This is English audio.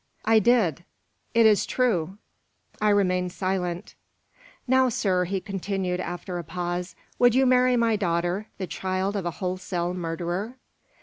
"I did." "It is true." I remained silent. "Now, sir," he continued, after a pause, "would you marry my daughter, the child of a wholesale murderer?"